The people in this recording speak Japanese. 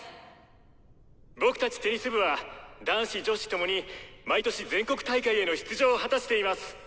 僕たちテニス部は男子女子共に毎年全国大会への出場を果たしています。